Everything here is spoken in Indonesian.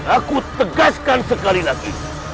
aku tegaskan sekali lagi